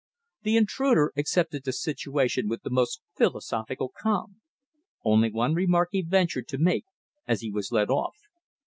The intruder accepted the situation with the most philosophic calm. Only one remark he ventured to make as he was led off.